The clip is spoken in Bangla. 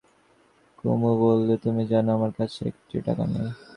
কুমু বললে, তুমি জান, আমার কাছে একটিও টাকা নেই।